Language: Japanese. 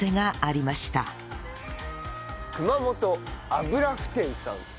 熊本油麩店さん。